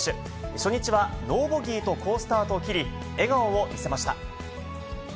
初日はノーボギーと好スタートを切り、笑顔を見せました。